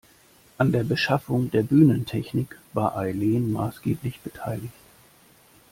An der Beschaffung der Bühnentechnik war Eileen maßgeblich beteiligt.